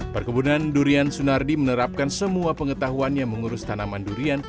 perkebunan durian sunardi menerapkan semua pengetahuannya mengurus tanaman durian